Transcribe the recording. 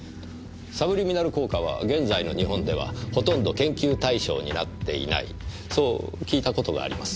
サブリミナル効果は現在の日本ではほとんど研究対象になっていないそう聞いたことがあります。